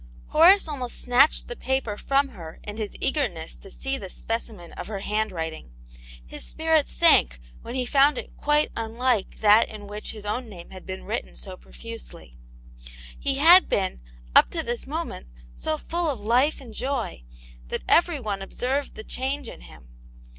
Horace almost snatched the paper from her in his eagerness to see this specimen of her handwrit ing: his spirits sank when he found it quite unlike that in which his own name had been written so pro fusely. He had been, up to this moment, so full of life and joy, that every one observed the change in him.